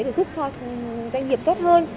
để giúp cho doanh nghiệp tốt hơn